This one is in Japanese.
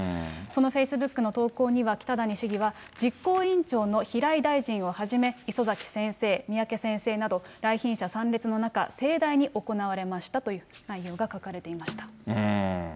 そのフェイスブックの投稿には、北谷市議は、実行委員長の平井大臣をはじめ、磯崎先生、三宅先生など、来賓者参列の中、盛大に行われましたといった内容が書かれていました。